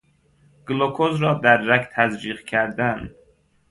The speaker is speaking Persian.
گلوکز را در رگ تزریق کردن